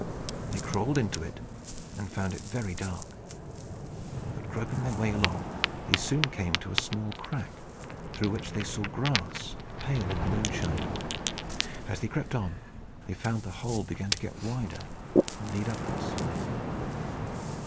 They crawled into it, and found it very dark. But groping their way along, they soon came to a small crack, through which they saw grass, pale in the moonshine. As they crept on, they found the hole began to get wider and lead upwards.